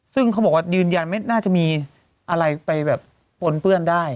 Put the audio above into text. ซึ่งเขาบอกว่ายืนยันไม่น่าจะมีอะไรไปแบบปนเปื้อนได้